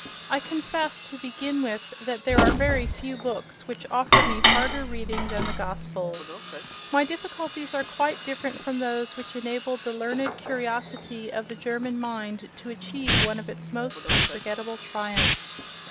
—I confess, to begin with, that there are very few books which offer me harder reading than the Gospels. My difficulties are quite different from those which enabled the learned curiosity of the German mind to achieve one of its most unforgettable triumphs.